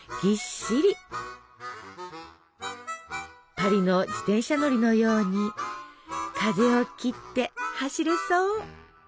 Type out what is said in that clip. パリの自転車乗りのように風を切って走れそう！